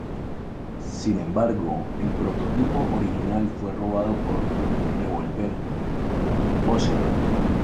Sin embargo el prototipo original fue robado por Revolver Ocelot.